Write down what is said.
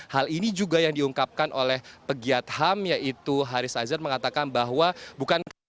hal ini juga yang diungkapkan oleh pegiat ham yaitu haris azhar mengatakan bahwa bukan